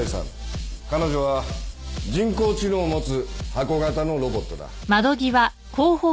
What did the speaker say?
彼女は人工知能を持つ箱型のロボットだ箱？